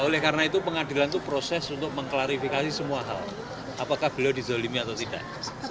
oleh karena itu pengadilan itu proses untuk mengklarifikasi semua hal apakah beliau dizolimi atau tidak